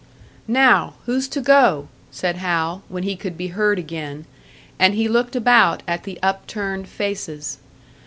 "Now, who's to go?" said Hal, when he could be heard again; and he looked about at the upturned faces.